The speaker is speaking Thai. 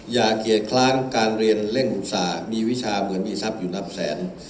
อย่าเกลียดคล้างการเรียนเล่นอุตส่าห์มีวิชาเหมือนมีทรัพย์อยู่นับแสน